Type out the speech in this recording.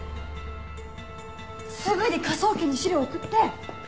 すぐに科捜研に資料送って！